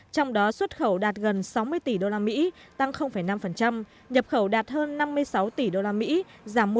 trong đó xuất khẩu đạt gần sáu mươi tỷ usd tăng năm nhập khẩu đạt hơn năm mươi sáu tỷ usd giảm một